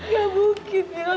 gak mungkin mira